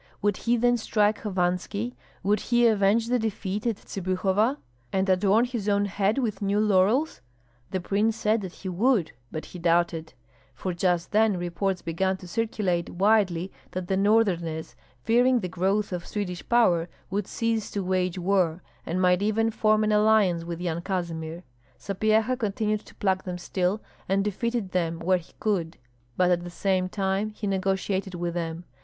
Would he then strike Hovanski, would he avenge the defeat at Tsibyhova, and adorn his own head with new laurels? The prince said that he would, but he doubted, for just then reports began to circulate widely that the Northerners, fearing the growth of Swedish power, would cease to wage war, and might even form an alliance with Yan Kazimir. Sapyeha continued to pluck them still, and defeated them where he could; but at the same time he negotiated with them.